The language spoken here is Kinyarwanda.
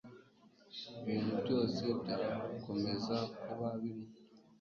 ibintu byose byakomeza kuba bimwe